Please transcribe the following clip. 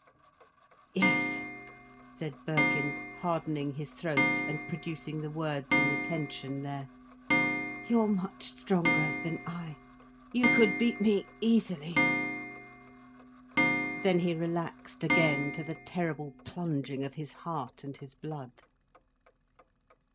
"Yes," said Birkin, hardening his throat and producing the words in the tension there, "you're much stronger than I—you could beat me—easily." Then he relaxed again to the terrible plunging of his heart and his blood.